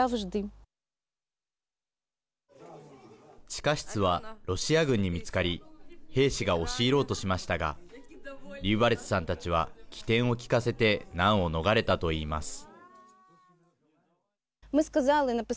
地下室はロシア軍に見つかり兵士が押し入ろうとしましたがリウバレツさんたちは機転を利かせて難を逃れたといいます。